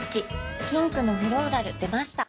ピンクのフローラル出ました